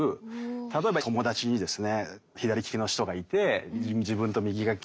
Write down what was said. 例えば友達にですね